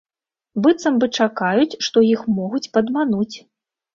Быццам бы чакаюць, што іх могуць падмануць.